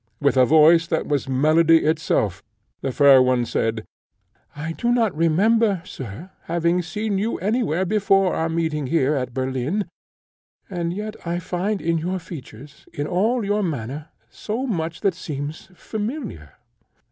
With a voice that was melody itself, the fair one said, "I do not remember, sir, having seen you anywhere before our meeting here at Berlin; and yet I find in your features, in all your manner, so much that seems familiar.